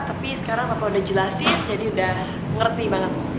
tapi sekarang apa udah jelasin jadi udah ngerti banget